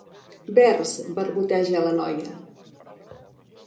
Vers, barboteja la noia.